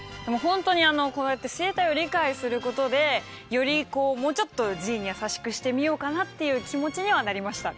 こうやって生態を理解することでよりこうもうちょっとＧに優しくしてみようかなっていう気持ちにはなりましたね。